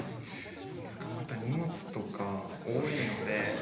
何かまた荷物とか多いので。